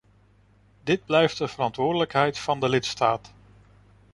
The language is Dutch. Dit blijft de verantwoordelijkheid van de lidstaat.